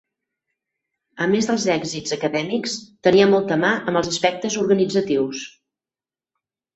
A més dels èxits acadèmics, tenia molta mà amb els aspectes organitzatius.